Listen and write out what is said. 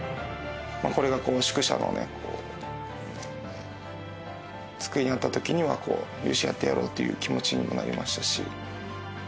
これがこう宿舎のね机にあった時にはよしやってやろうという気持ちにもなりましたし。